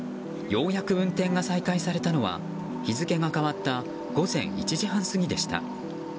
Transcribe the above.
ようやく運転が再開されたのは日付が変わった午前１時半過ぎでした。